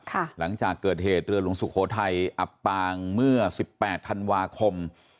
หลังจากเกิดเหตุเรือหลวงสุโขทัยอับปางเมื่อสิบแปดธันวาคม